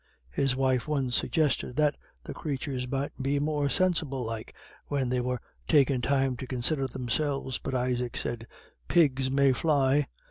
His wife once suggested that "the crathurs might be more sinsible like, when they were takin' time to considher themselves." But Isaac said, "Pigs may fly."